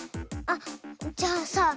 あっじゃあさ